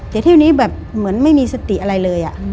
แต่เที่ยวนี้แบบเหมือนไม่มีสติอะไรเลย